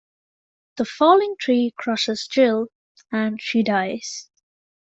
The falling tree crushes Jill, and she dies.